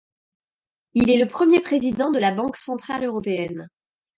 Il est le premier président de la Banque centrale européenne.